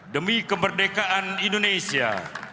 demi kemerdekaan indonesia